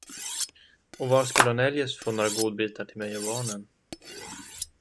Och var skulle hon eljest fått några godbitar åt mig och barnen.